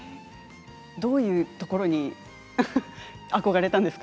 どういうところに憧れたんですか？